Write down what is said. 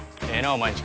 お前んち